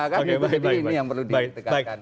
jadi ini yang perlu diperhatikan